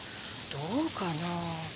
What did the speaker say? どうかな。